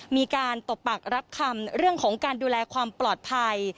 มีการตบปากรับคำเรื่องของการดูแลความปลอดภัย